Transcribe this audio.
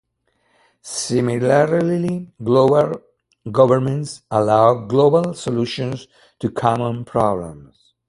Similarly, global governments allow global solutions to common problems.